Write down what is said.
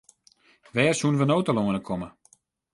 Wêr soenen we no telâne komme?